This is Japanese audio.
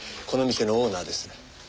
この店のオーナーです。